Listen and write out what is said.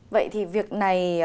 vậy thì việc này